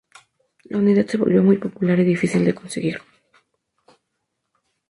La unidad se volvió muy popular, y difícil de conseguir.